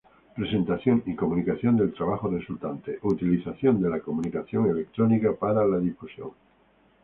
Presentación y comunicación del trabajo resultante: Utilización de la comunicación electrónica para la difusión.